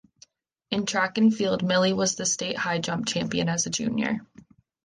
In track and field, Mili was the state high jump champion as a junior.